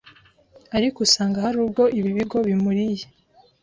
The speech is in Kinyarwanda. ariko usanga hari ubwo ibi bigo bimuriye